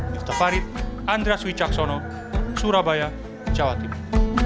miftah farid andras wicaksono surabaya jawa timur